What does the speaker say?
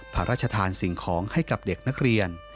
พระราชทานสิ่งของให้กับเด็กนักเรียน